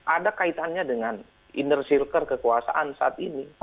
ada kaitannya dengan inner circle kekuasaan saat ini